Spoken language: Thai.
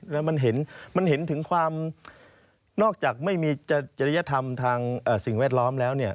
แล้วมันเห็นมันเห็นถึงความนอกจากไม่มีจริยธรรมทางสิ่งแวดล้อมแล้วเนี่ย